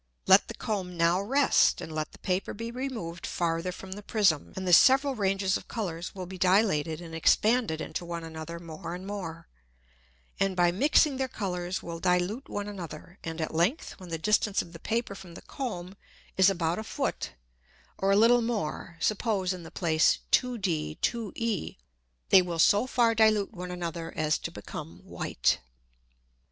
[Illustration: FIG. 9.] Let the Comb now rest, and let the Paper be removed farther from the Prism, and the several Ranges of Colours will be dilated and expanded into one another more and more, and by mixing their Colours will dilute one another, and at length, when the distance of the Paper from the Comb is about a Foot, or a little more (suppose in the Place 2D 2E) they will so far dilute one another, as to become white.